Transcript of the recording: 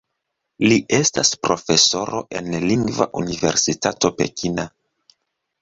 Li estas profesoro en Lingva Universitato Pekina.